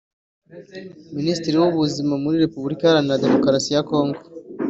Minisitiri w’Ubuzima muri Repubulika Iharanira Demokarasi ya Congo